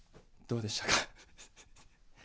どうでしたか？